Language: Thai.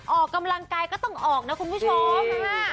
ออกกำลังกายก็ต้องออกนะคุณผู้ชม